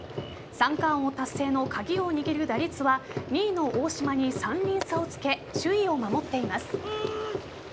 三冠王達成の鍵を握る打率は２位の大島に３厘差をつけ首位を守っています。